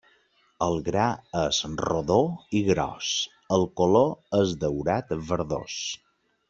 El gra és rodó i gros, el color és daurat verdós.